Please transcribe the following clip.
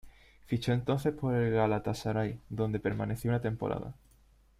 Fichó entonces por el Galatasaray, donde permaneció una temporada.